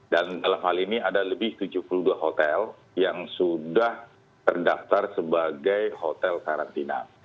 dan dalam hal ini ada lebih tujuh puluh dua hotel yang sudah terdaftar sebagai hotel karantina